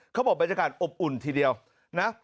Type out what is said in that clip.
เขาบอกว่าจะการอบอุ่นทีเดียวนะ